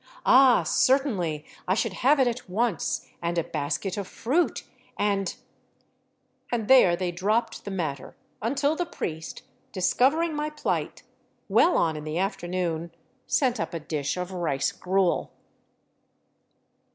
Ah^ certainly, I should have it at once, and a basket of fruit, and ... and there they dropped the matter, until the priest, discovering my plight, well on in the afternoon, sent up a dish of rice gruel.